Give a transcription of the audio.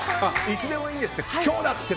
いつでもいいんですって。